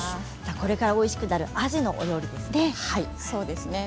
これからおいしくなるあじの料理ですね。